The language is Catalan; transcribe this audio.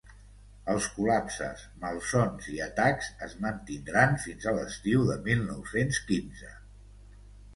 Els col·lapses, malsons i atacs es mantindran fins a l’estiu de mil nou-cents quinze.